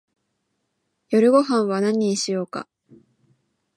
夜ごはんは何にしようか